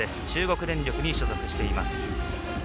中国電力に所属しています。